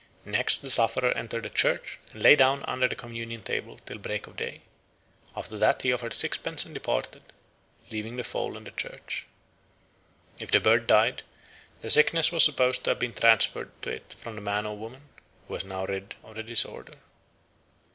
Next the sufferer entered the church and lay down under the communion table till break of day. After that he offered sixpence and departed, leaving the fowl in the church. If the bird died, the sickness was supposed to have been transferred to it from the man or woman, who was now rid of the disorder.